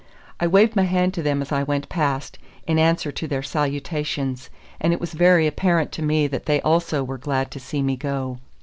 I waved my hand to them as I went past, in answer to their salutations, and it was very apparent to me that they also were glad to see me go.